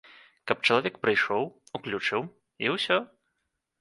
Каб чалавек прыйшоў, уключыў, і ўсё.